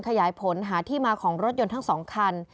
ขยายผลหาที่มาของรถยนต์ทั้ง๒คัน